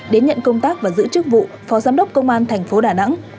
đến nhận công tác và giữ chức vụ phó giám đốc công an thành phố đà nẵng